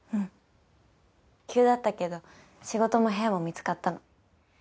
急だったけど仕事も部屋も見つかったの。